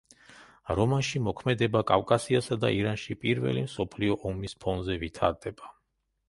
რომანში მოქმედება კავკასიასა და ირანში პირველი მსოფლიო ომის ფონზე ვითარდება.